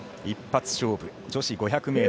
一発勝負、女子５００ｍ。